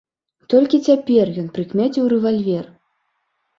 Толькі цяпер ён прыкмеціў рэвальвер.